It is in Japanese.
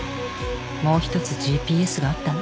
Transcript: もう一つＧＰＳがあったの。